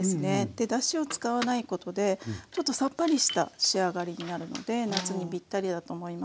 でだしを使わないことでちょっとさっぱりした仕上がりになるので夏にぴったりだと思います。